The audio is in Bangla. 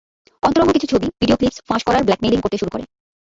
অন্তরঙ্গ কিছু ছবি, ভিডিও ক্লিপস ফাঁস করার ব্ল্যাকমেলিং করতে শুরু করে।